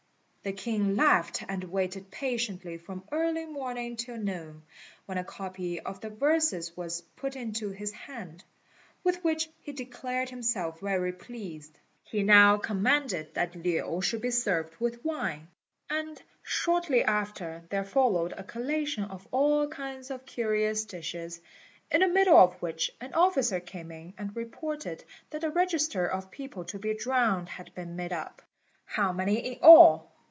The king laughed and waited patiently from early morning till noon, when a copy of the verses was put into his hand, with which he declared himself very pleased. He now commanded that Lin should be served with wine; and shortly after there followed a collation of all kinds of curious dishes, in the middle of which an officer came in and reported that the register of people to be drowned had been made up. "How many in all?"